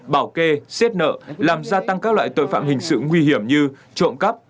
bảo kê xiết nợ làm gia tăng các loại tội phạm hình sự nguy hiểm như trộm cắp